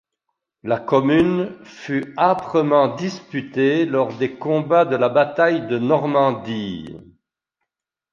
La commune fut âprement disputée lors des combats de la bataille de Normandie.